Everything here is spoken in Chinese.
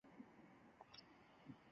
短棒角石是一属已灭绝的鹦鹉螺类。